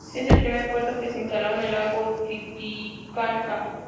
Es el primer puerto que se instaló en el Lago Titicaca.